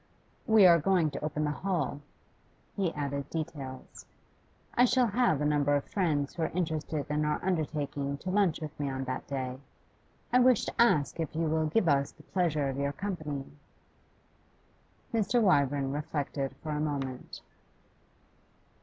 'We are going to open the Hall.' He added details. 'I shall have a number of friends who are interested in our undertaking to lunch with me on that day. I wish to ask if you will give us the pleasure of your company.' Mr. Wyvern reflected for a moment.